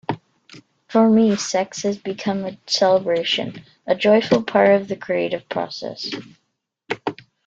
For me, sex has become a celebration, a joyful part of the creative process.